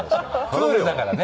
プールだからね。